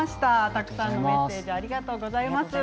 たくさんのメッセージありがとうございます。